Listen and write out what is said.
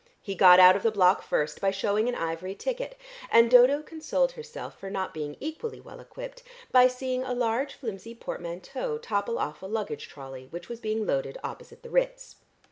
He got out of the block first by shewing an ivory ticket, and Dodo consoled herself for not being equally well equipped by seeing a large flimsy portmanteau topple off a luggage trolley which was being loaded opposite the Ritz.